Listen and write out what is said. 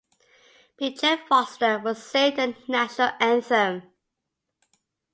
Bridgette Foster would sing the national anthem.